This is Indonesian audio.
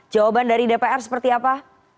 jawaban dari dpr seperti apa